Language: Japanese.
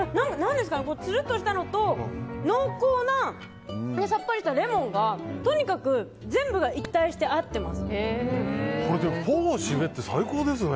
つるっとしたのと濃厚なさっぱりしたレモンがとにかく全部が一体して合っていますね。